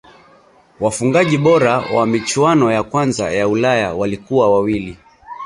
wafungaji bora wa michuano ya kwanza ya ulaya walikuwa wawili